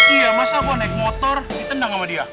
iya masa gue naik motor ditendang sama dia